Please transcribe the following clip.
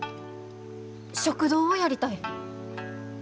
食堂をやりたい。